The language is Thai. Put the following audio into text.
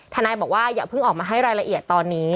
ทนายบอกว่าอย่าเพิ่งออกมาให้รายละเอียดตอนนี้